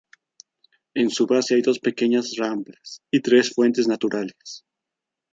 En su base hay dos pequeñas ramblas y tres fuentes naturales.